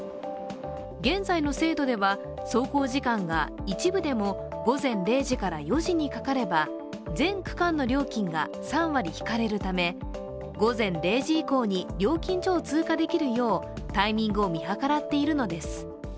現在の制度では、走行時間が一部でも午前０時から４時にかかれば全区間のりょうきんが３割引かれるため、午前０時以降に料金所を通過できるようタイミングを見計らっているのです。